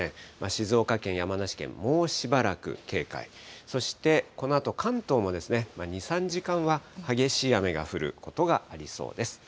静岡県、山梨県、もうしばらく警戒、そしてこのあと、関東も２、３時間は激しい雨が降ることがありそうです。